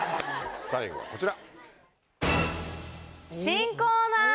最後はこちら。